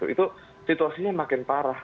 itu situasinya makin parah